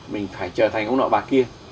mình phải trở thành ông nội bà kia